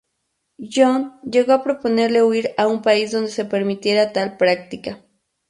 John llegó a proponerle huir a un país donde se permitiera tal práctica.